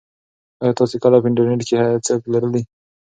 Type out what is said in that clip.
ایا تاسي کله په انټرنيټ کې څه پلورلي دي؟